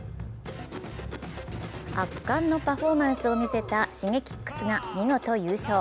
圧巻のパフォーマンスを見せたＳｈｉｇｅｋｉｘが見事優勝。